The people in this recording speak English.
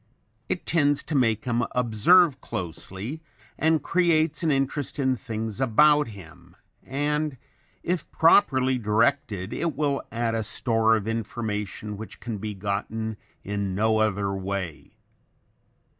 It tends to make him observe closely and creates an interest in things about him, and if properly directed it will add a store of information which can be gotten in no other way.